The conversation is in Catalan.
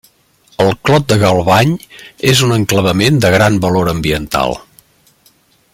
El Clot de Galvany és un enclavament de gran valor ambiental.